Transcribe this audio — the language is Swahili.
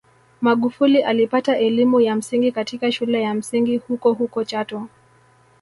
Magufuli alipata elimu ya msingi katika shule ya msingi hukohuko Chato